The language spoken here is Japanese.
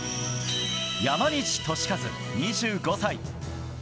山西利和、２５歳。